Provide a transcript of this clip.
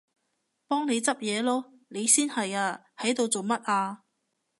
幫你執嘢囉！你先係啊，喺度做乜啊？